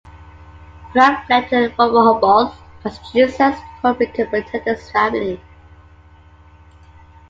Vernon fled to Rehoboth, Massachusetts, hoping to protect his family.